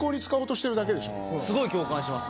スゴい共感します。